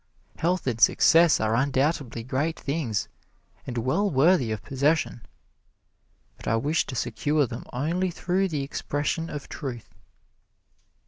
Health and Success are undoubtedly great things and well worthy of possession, but I wish to secure them only through the expression of truth.